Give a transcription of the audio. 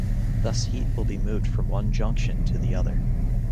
Thus heat will be moved from one junction to the other.